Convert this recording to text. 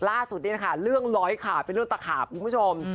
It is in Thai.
ล่าสุดนี้แหละค่ะด้วยเรื่องร้อยขาบเป็นรูปตะขาบของคุณผู้ชม